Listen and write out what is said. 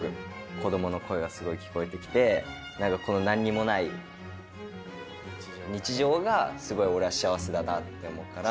子どもの声がすごい聞こえてきて何かこの何にもない日常がすごい俺は幸せだなって思うから。